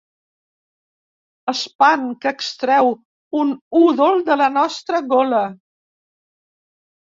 Espant que extreu un udol de la nostra gola.